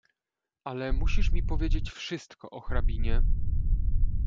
"Ale musisz mi powiedzieć wszystko o hrabinie."